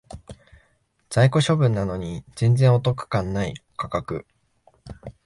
在庫処分なのに全然お得感ない価格